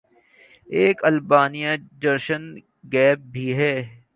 ایک المیہ generation gap بھی ہے